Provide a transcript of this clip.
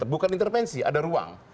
bukan intervensi ada ruang